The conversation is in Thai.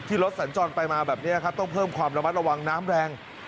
รถสัญจรไปมาแบบนี้ครับต้องเพิ่มความระมัดระวังน้ำแรง